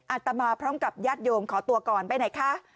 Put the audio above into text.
อาตมาพร้อมกับญาติโยมขอตัวก่อนไปไหนคะ